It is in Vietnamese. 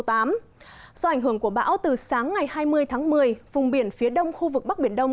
do ảnh hưởng của bão từ sáng ngày hai mươi tháng một mươi vùng biển phía đông khu vực bắc biển đông